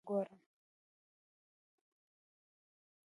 زه د پاچاهانو او امیرو ژوند ته ګورم.